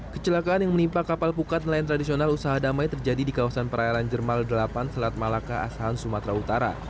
kecelakaan yang menimpa kapal pukat nelayan tradisional usaha damai terjadi di kawasan perairan jermal delapan selat malaka asahan sumatera utara